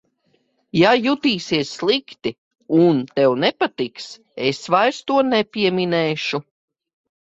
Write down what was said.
Ja jutīsies slikti un tev nepatiks, es vairs to nepieminēšu.